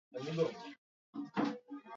Sanaa yangu itanilipa siku moja